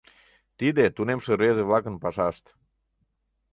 Тиде — тунемше рвезе-влакын пашашт